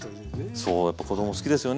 そうやっぱ子供好きですよね